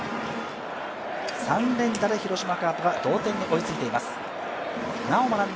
３連打で広島カープが同点に追いついています。